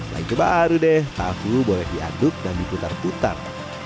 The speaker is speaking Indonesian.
baru baru deh tahu boleh diaduk dan diputar putar